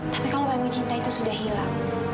tapi kalau memang cinta itu sudah hilang